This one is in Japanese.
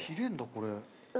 これ。